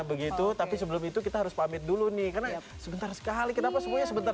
begitu tapi sebelum itu kita harus pamit dulu nih karena sebentar sekali kenapa semuanya sebentar